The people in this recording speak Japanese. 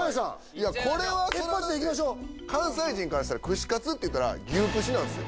いやこれはそれはだって一発でいきましょう関西人からしたら串カツっていったら牛串なんすよ